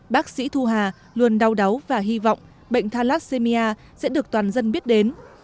bác sĩ thu hà luôn đau đáu và hy vọng bệnh thalassemia sẽ được toàn dân biết đến